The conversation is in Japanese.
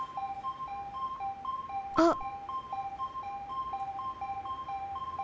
あっ！